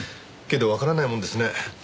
けどわからないもんですね。